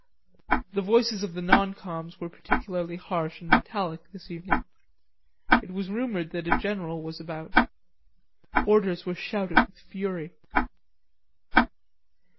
The voices of the non coms were particularly harsh and metallic this evening. It was rumoured that a general was about. Orders were shouted with fury.